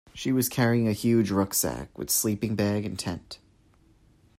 She was carrying a huge rucksack, with sleeping bag and tent